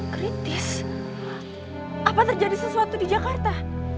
kritis apa terjadi sesuatu di jakarta